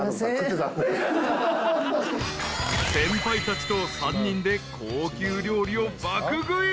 ［先輩たちと３人で高級料理を爆食い］